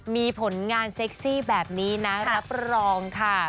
มีผลงานเซ็กซี่แบบนี้นะรับรองค่ะ